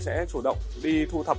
sẽ chủ động đi thu thập